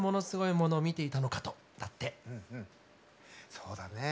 そうだね。